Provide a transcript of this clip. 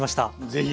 是非。